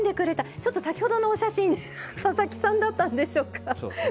ちょっと先ほどのお写真佐々木さんだったんでしょうか。